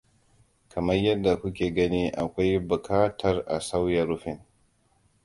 Kamar yadda ku ke gani akwai buƙatar a sauya rufin.